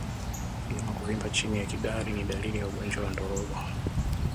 Mnyama kuvimba chini ya kidari ni dalili ya ugonjwa wa ndorobo